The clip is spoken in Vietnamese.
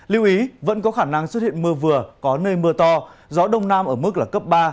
lưu ý vẫn có khả năng xuất hiện mưa vừa có nơi mưa to gió đông nam ở mức là cấp ba